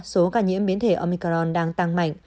số ca nhiễm biến thể omicron đang tăng mạnh